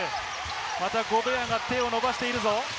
ゴベアが手を伸ばしているぞ。